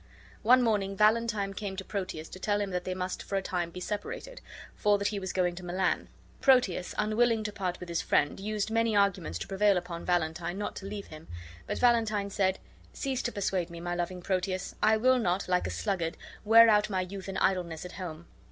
One morning Valentine came to Proteus to tell him that they must for a time be separated, for that he was going to Milan. Proteus, unwilling to part with his friend, used many arguments to prevail upon Valentine not to leave him. But Valentine said: "Cease to persuade me, my loving Proteus. I will not, like a sluggard, wear out my youth in idleness at home.